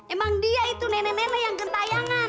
emang dia itu nenek nenek yang kentayangan